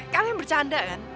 kalian bercanda kan